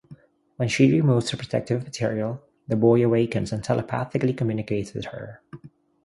When she removes the protective material, the boy awakens and telepathically communicates with her.